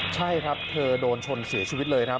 ใช่ครับเธอโดนชนเสียชีวิตเลยครับ